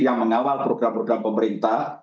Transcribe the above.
yang mengawal program program pemerintah